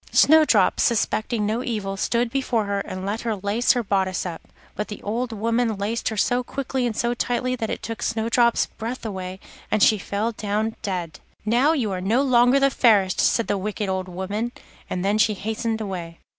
Snowdrop, suspecting no evil, stood before her and let her lace her bodice up, but the old woman laced her so quickly and so tightly that it took Snowdrop's breath away, and she fell down dead. 'Now you are no longer the fairest,' said the wicked old woman, and then she hastened away.